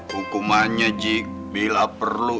hukumannya ji bila perlu